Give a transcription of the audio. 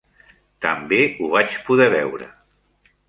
També ho vaig poder veure.